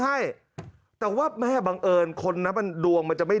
ให้แต่ว่าแม่บังเอิญคนนั้นมันดวงมันจะไม่